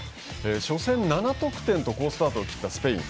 初戦７得点と好スタートを切ったスペイン。